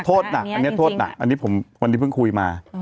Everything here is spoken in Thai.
โทษหนักอันนี้โทษหนักอันนี้ผมวันนี้เพิ่งคุยมา